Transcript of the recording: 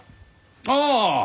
ああ！